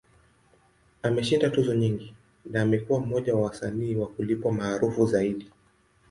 Ameshinda tuzo nyingi, na amekuwa mmoja wa wasanii wa kulipwa maarufu zaidi.